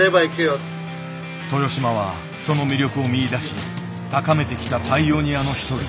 豊島はその魅力を見いだし高めてきたパイオニアの一人。